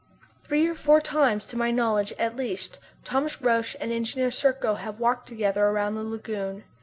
Three or four times to my knowledge, at least, Thomas Roch and Engineer Serko have walked together around the lagoon.